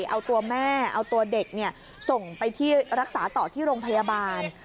เอาตัวแม่เอาตัวเด็กส่งไปที่รักษาต่อที่โรงพยาบาล